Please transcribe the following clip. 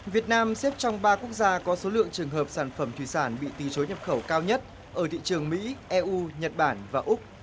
việt nam xếp trong ba quốc gia có số lượng trường hợp sản phẩm thủy sản bị từ chối nhập khẩu cao nhất ở thị trường mỹ eu nhật bản và úc